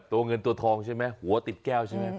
ตัวเงินตัวทองใช่ไหมหัวติดแก้วใช่ไหม